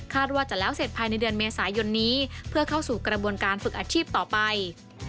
ว่าจะแล้วเสร็จภายในเดือนเมษายนนี้เพื่อเข้าสู่กระบวนการฝึกอาชีพต่อไป